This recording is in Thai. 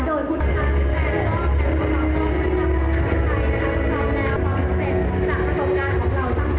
โดยคุณคุณค่ะแฟนกล้องและพลัดกล้องค่าล่องล่างกล้องกฏรายนะคะ